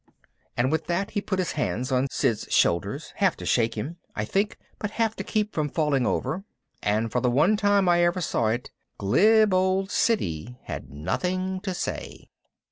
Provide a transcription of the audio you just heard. And with that he put his hands on Sid's shoulders, half to shake him, I think, but half to keep from falling over. And for the one time I ever saw it, glib old Siddy had nothing to say.